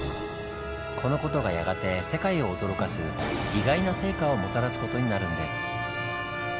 この事がやがて世界を驚かす意外な成果をもたらす事になるんです。